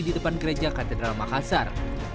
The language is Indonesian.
di depan kerenja katedral makassar